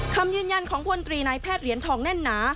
คำยืนยันของพลตรีนายแพทย์เหรียญทองแน่นหนา